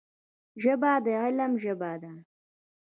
ژبه د علم ژبه ده